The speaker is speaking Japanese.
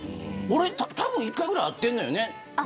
俺たぶん１回ぐらい会ってんのよね。